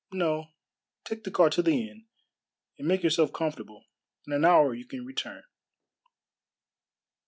"No, take the car to the inn, and make yourself comfortable. In an hour you can return."